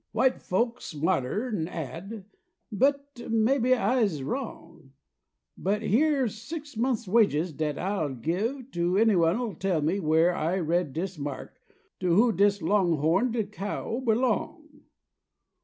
"White folks smarter'n Add, and maybe I'se wrong; But here's six months' wages dat I'll give If anyone'll tell me when I reads dis mark To who dis longhorned cow belong!